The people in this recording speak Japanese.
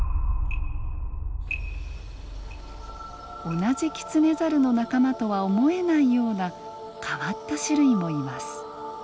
同じキツネザルの仲間とは思えないような変わった種類もいます。